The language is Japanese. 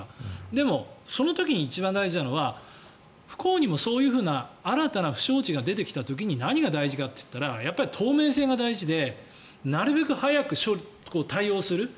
でも、その時に一番大事なのは不幸にもそういうふうな新たな不祥事が出てきた時に何が大事かっていったら透明性が大事でなるべく早く対応をする。